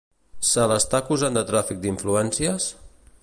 Se l'està acusant de tràfic d'influències?